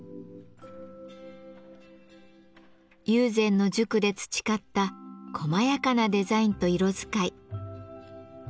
友禅の塾で培った細やかなデザインと色使い。